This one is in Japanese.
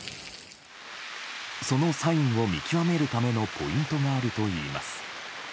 そのサインを見極めるためのポイントがあるといいます。